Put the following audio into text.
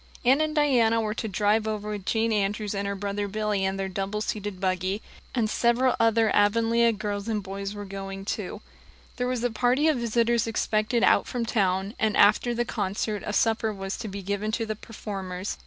Anne and Diana were to drive over with Jane Andrews and her brother Billy in their double seated buggy; and several other Avonlea girls and boys were going too. There was a party of visitors expected out from town, and after the concert a supper was to be given to the performers.